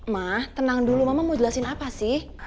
mah tenang dulu mama mau jelasin apa sih